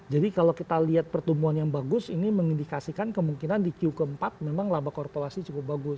jadi kalau kita lihat pertumbuhan yang bagus ini mengindikasikan kemungkinan di q empat memang laba korporasi cukup bagus